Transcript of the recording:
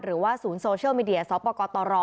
หรือว่าศูนย์โซเชียลมีเดียสอบประกอบต่อรอ